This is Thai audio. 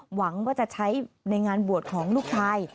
หวังว่าจะใช้ในงานบวชของลูกชาย